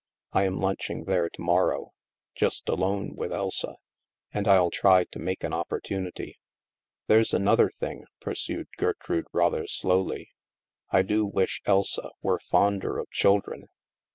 " I am lunch ing there to morrow — just alone with Elsa — and I'll try to make an opportunity." "There's another thing," pursued Gertrude rather slowly. " I do wish Elsa were fonder of children.